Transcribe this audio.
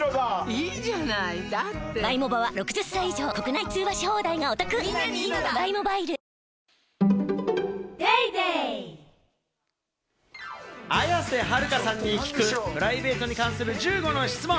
いいじゃないだって綾瀬はるかさんに聞く、プライベートに関する１５の質問。